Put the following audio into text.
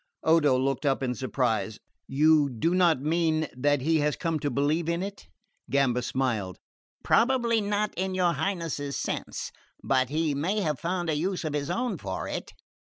Odo looked up in surprise. "You do not mean that he has come to believe in it?" Gamba smiled. "Probably not in your Highness's sense; but he may have found a use of his own for it."